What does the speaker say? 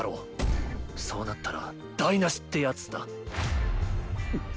そうなったら台無しってやつだ！